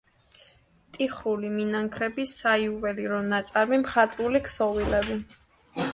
ტიხრული მინანქრები, საიუველირო ნაწარმი, მხატვრული ქსოვილები.